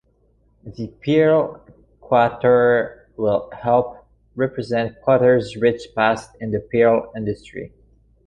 The Pearl Qatar will help represent Qatar's rich past in the pearl industry.